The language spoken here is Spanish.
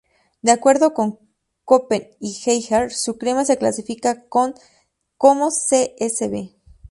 De acuerdo con Köppen y Geiger su clima se clasifica como Csb.